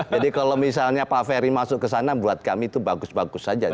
jadi kalau misalnya pak ferry masuk ke sana buat kami itu bagus bagus saja